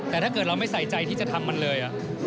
แต่ถ้าเกิดเราไม่ใส่ใจที่จะทำมันเลย